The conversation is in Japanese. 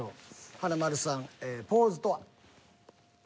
華丸さんポーズとは？